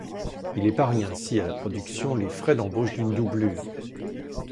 Il épargne ainsi à la production les frais d'embauche d'une doublure.